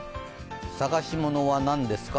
探しものは何ですか？